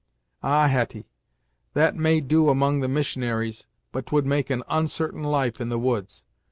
"Ah, Hetty, that may do among the Missionaries, but 'twould make an onsartain life in the woods!